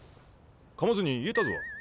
かまずに言えたぞ。